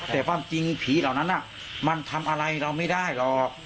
แต่ความจริงผีเหล่านั้นมันทำอะไรเราไม่ได้หรอก